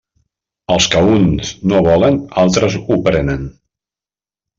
El que uns no volen, altres ho prenen.